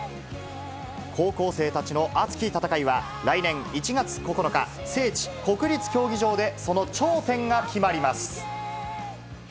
高校生たちの熱き戦いは、来年１月９日、聖地、国立競技場でその頂点が決まります。